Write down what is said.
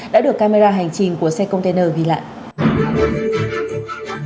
đã được camera hành trình của xe container ghi lại